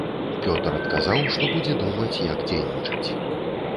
Пётр адказаў, што будзе думаць, як дзейнічаць.